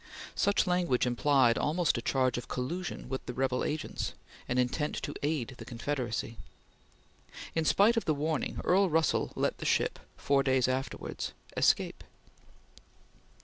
Such language implied almost a charge of collusion with the rebel agents an intent to aid the Confederacy. In spite of the warning, Earl Russell let the ship, four days afterwards, escape.